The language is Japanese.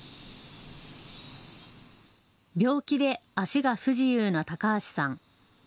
病気で足が不自由な高橋さん。